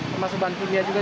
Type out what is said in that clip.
termasuk bantunya juga